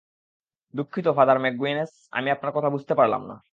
দুঃখিত father McGuinness, আমি আপনার কথা বুঝতে পারলাম না।